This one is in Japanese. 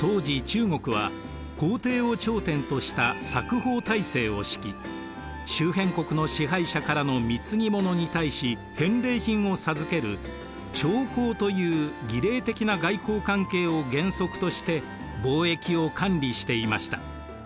当時中国は皇帝を頂点とした冊封体制を敷き周辺国の支配者からの貢ぎ物に対し返礼品を授ける朝貢という儀礼的な外交関係を原則として貿易を管理していました。